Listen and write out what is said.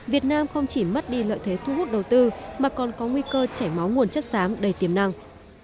việt nam không chỉ mất đi lợi thế thu hút đầu tư mà còn có nguy cơ chảy máu nguồn chất xám đầy tiềm năng